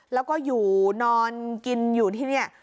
แล้วก็อยู่นอนกินอยู่ที่นี่